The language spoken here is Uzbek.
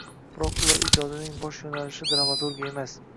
Biroq ular ijodining bosh yoʻnalishi dramaturgiya emas